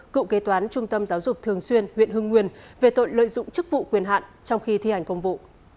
cựu kế toán trung tâm giáo dục thường xuyên huyện hưng nguyên về tội lợi dụng chức vụ quyền hạn trong khi thi hành công vụ